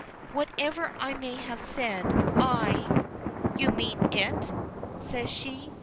"Whatever I may have said, I " "You meant it!" says she.